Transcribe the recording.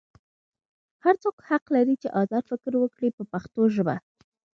هر څوک حق لري چې ازاد فکر وکړي په پښتو ژبه.